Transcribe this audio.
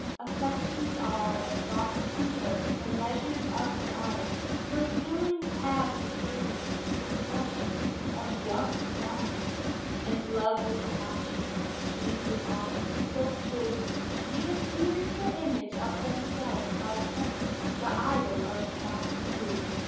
Affections are as thoughts to her, The measures of her hours; Her feelings have the flagrancy, The freshness of young flowers; And lovely passions, changing oft, So fill her, she appears The image of themselves by turns,— The idol of past years!